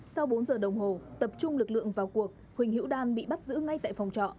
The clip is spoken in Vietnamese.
sau bốn giờ đồng hồ tập trung lực lượng vào cuộc huỳnh hữu đan bị bắt giữ ngay tại phòng trọ